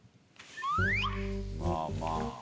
まあまあ。